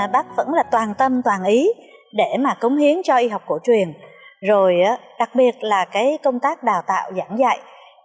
bác vẫn toàn tâm toàn ý để cống hiến cho y học cổ truyền đặc biệt là công tác đào tạo giảng dạy